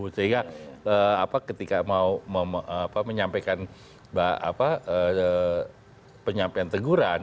sehingga ketika mau menyampaikan penyampaian teguran